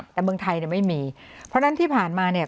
แต่เมืองไทยเนี่ยไม่มีเพราะฉะนั้นที่ผ่านมาเนี่ย